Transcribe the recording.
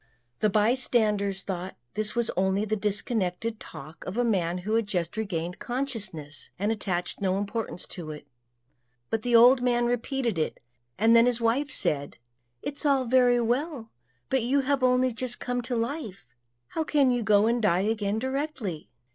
The bystanders thought this was only the disconnected talk of a man who had just regained consciousness, and attached no importance to it; but the old man repeated it, and then his wife said, "It's all very well, but you have only just come to life; how can you go and die again directly?"